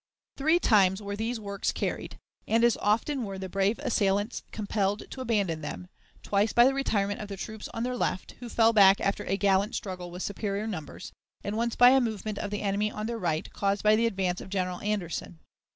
Three times were these works carried, and as often were the brave assailants compelled to abandon them twice by the retirement of the troops on their left, who fell back after a gallant struggle with superior numbers, and once by a movement of the enemy on their right caused by the advance of General Anderson.